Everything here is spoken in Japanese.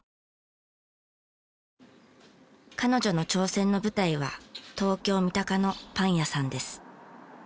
彼女の挑戦の舞台は東京三鷹のパン屋さんです。